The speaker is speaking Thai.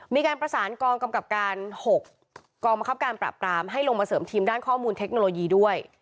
มีการประสานกองกำกับการ๖กองบังคับการปราบปรามให้ลงมาเสริมทีมด้านข้อมูลเทคโนโลยีด้วย